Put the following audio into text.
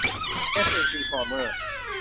เอส เอ็น ซี ฟอร์เมอร์